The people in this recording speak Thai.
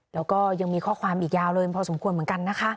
แล้วก็ยังมีข้อความอีกยาวเลยพอสมควรเหมือนกันนะคะ